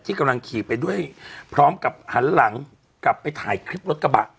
กำลังขี่ไปด้วยพร้อมกับหันหลังกลับไปถ่ายคลิปรถกระบะ